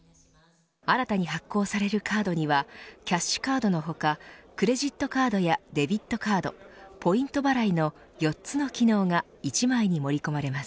新たに発行されるカードにはキャッシュカードの他クレジットカードやデビットカードポイント払いの４つの機能が一枚に盛り込まれます。